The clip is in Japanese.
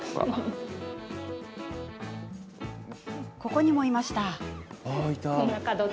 ここにもいました。